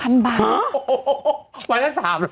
วันละ๓หรอ